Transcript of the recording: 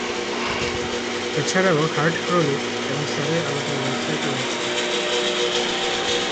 এছাড়াও Hart Crawley এবং সারে'র আলাদা ওয়েবসাইট রয়েছে।